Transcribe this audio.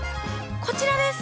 こちらです！